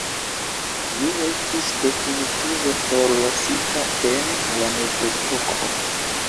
Ĝi estis definitive forlasita en la mezepoko.